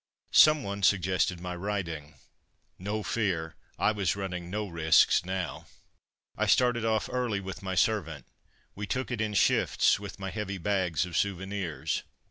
Some one suggested my riding no fear; I was running no risks now. I started off early with my servant. We took it in shifts with my heavy bags of souvenirs.